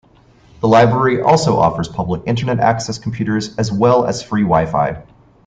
The library also offers public Internet access computers as well as free wifi.